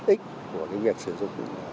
ích của việc sử dụng